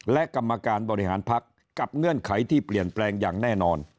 และกรรมการบริหารพักกับเงื่อนไขที่เปลี่ยนแปลงอย่างแน่นอน